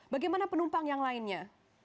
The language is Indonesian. bagaimana penumpang yang lainnya